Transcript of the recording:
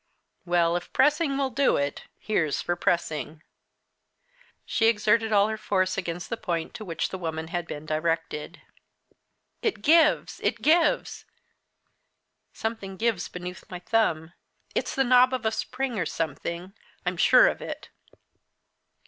Well, if pressing will do it, here's for pressing!" She exerted all her force against the point to which the woman had been directed. "It gives! It gives! something gives beneath my thumb: it's the knob of a spring or something I'm sure of it."